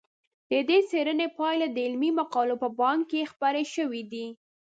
د دې څېړنو پایلې د علمي مقالو په بانک کې خپرې شوي دي.